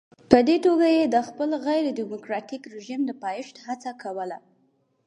په دې توګه یې د خپل غیر ډیموکراټیک رژیم د پایښت هڅه کوله.